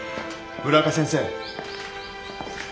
村岡先生。